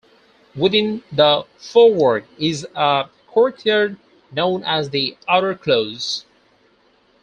Within the Forework is a courtyard known as the Outer Close.